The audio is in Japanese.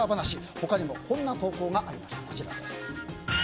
他にもこんな投稿がありました。